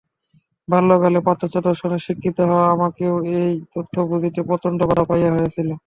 বাল্যকালে পাশ্চাত্য দর্শনে শিক্ষিত হওয়ায় আমাকেও এই তত্ত্ব বুঝিতে প্রচণ্ড বাধা পাইতে হইয়াছিল।